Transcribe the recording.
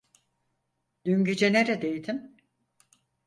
Dün gece neredeydin?